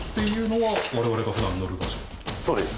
そうです。